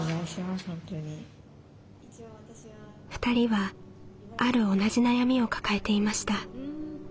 ２人はある同じ悩みを抱えていました。